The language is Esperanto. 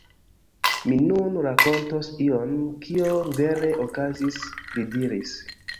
Mi nun rakontos ion, kio vere okazis, li diris.